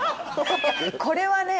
これはね